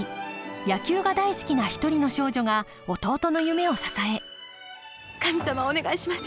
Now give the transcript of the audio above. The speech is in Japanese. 野球が大好きな一人の少女が弟の夢を支え神様お願いします。